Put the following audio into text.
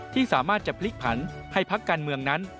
ที่สามารถจะพลิกผันให้พักการเมืองนั้น